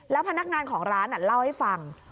พนักงานของร้านเล่าให้ฟัง